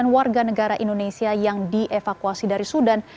sembilan ratus empat puluh sembilan warga negara indonesia yang dievakuasi dari sudan